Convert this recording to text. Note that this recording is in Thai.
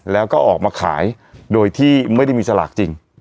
แล้วก็ออกมาขายโดยที่ไม่ได้มีสลากจริง